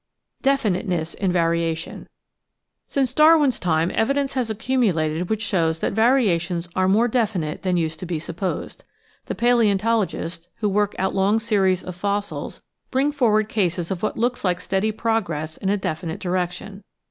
Definiteness in Variation Since Darwin's time evidence has accumulated which shows that variations are more definite than used to be supposed. The palaeontologists, who work out long series of fossils, bring for ward cases of what looks like steady progress in a definite direc tion.